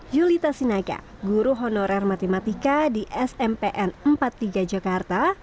yulita sinaga guru honorer matematika di smpn empat puluh tiga jakarta